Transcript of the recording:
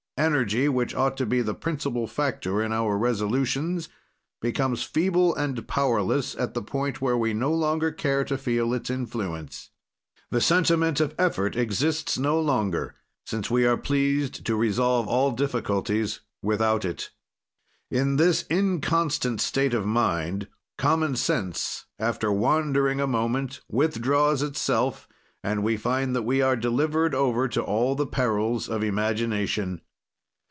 "Energy, which ought to be the principle factor in our resolutions, becomes feeble and powerless at the point where we no longer care to feel its influence. "The sentiment of effort exists no longer, since we are pleased to resolve all difficulties without it. "In this inconstant state of mind, common sense, after wandering a moment withdraws itself, and we find that we are delivered over to all the perils of imagination.